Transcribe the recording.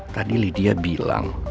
tadi lydia bilang